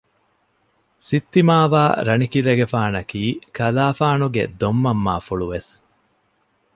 ސިއްތިމާވާ ރަނިކިލެގެފާނަކީ ކަލާފާނުގެ ދޮންމަންމާފުޅު ވެސް